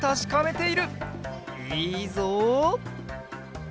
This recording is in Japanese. いいぞ。